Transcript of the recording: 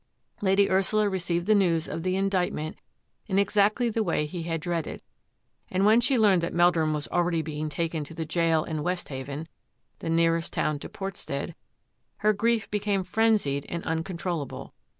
Lady Ursula received the news of the indict ment in exactly the way he had dreaded, and when she learned that Meldrum was already being taken to the jail in Westhaven, the nearest town to Port stead, her grief became frenzied and uncontrol lable.